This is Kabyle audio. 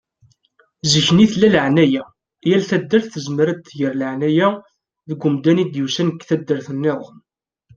Zikk-nni tella laεnaya. Yal taddart tezmer ad tger laεnaya deg umdan i d-yusan seg taddart-nniḍen.